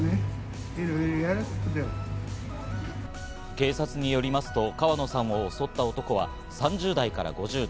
警察によりますと、川野さんを襲った男が３０代から５０代。